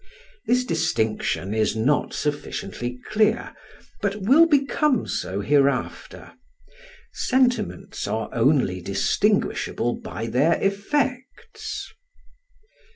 This distinction is not sufficiently clear, but will become so hereafter: sentiments are only distinguishable by their effects.